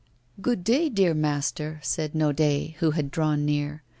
'Good day, dear master,' said Naudet, who had drawn near.